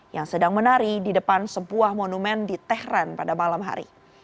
yang sedang menari di depan sebuah monumen di tehran pada malam hari